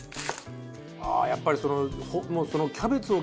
ああやっぱりその。